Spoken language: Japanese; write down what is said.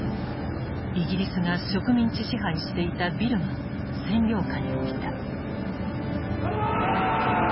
イギリスが植民地支配していたビルマを占領下に置いた。